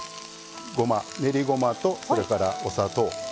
練りごまとそれからお砂糖。